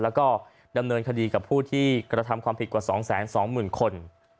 แล้วก็ดำเนินคดีกับผู้ที่กระทำความผิดกว่า๒๒๐๐๐คน